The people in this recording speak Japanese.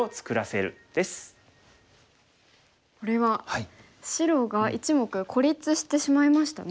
これは白が１目孤立してしまいましたね。